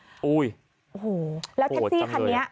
โอ้โฮจำเลยแล้วแล้วแท็กซี่คันนี้